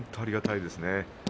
ありがたいですね